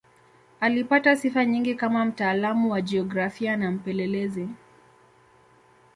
Alipata sifa nyingi kama mtaalamu wa jiografia na mpelelezi.